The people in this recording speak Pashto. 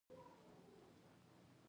هلته به چڼي حتمي ملا صاحب ته شکایت کړی وي.